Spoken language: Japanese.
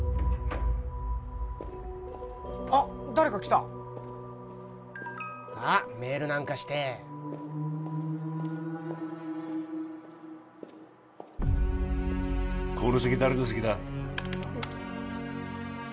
あっ誰か来たあっメールなんかしてこの席誰の席だ？